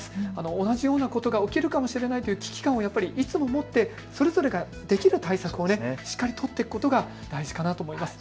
同じようなことが起きるかもしれないという危機感をいつも持ってそれぞれができる対策をしっかり取っていくことが大事かなと思います。